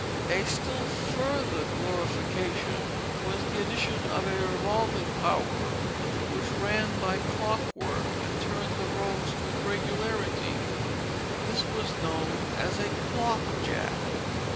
A still further glorification was the addition of a revolving power which ran by clockwork and turned the roast with regularity; this was known as a clock jack.